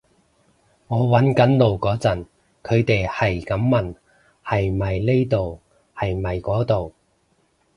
我搵緊路嗰陣，佢哋喺咁問係咪呢度係咪嗰度